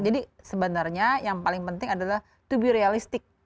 jadi sebenarnya yang paling penting adalah untuk bersama realistik